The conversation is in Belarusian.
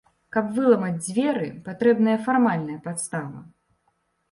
Каб выламаць дзверы, патрэбная фармальная падстава.